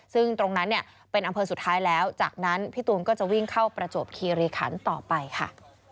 ซึ่งตรงนั้นเนี่ยเป็นอำเภอสุดท้ายแล้วจากนั้นพี่ตูนก็จะวิ่งเข้าประจวบคีรีขันต่อไปค่ะ